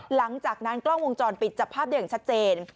หลังจากนั้นกล้องวงจรปิดจับภาพได้อย่างชัดเจน